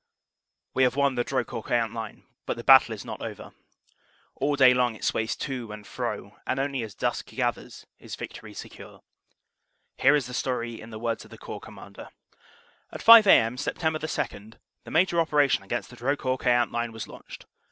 * We have won the Drocourt Queant line, but the battle is not over. All day long it sways to and fro, and only as dusk gathers is victory secure. Here is the story in the words of the Corps Commander: "At 5 a.m., Sept. 2, the major operation against the Drocourt Queant line was launched.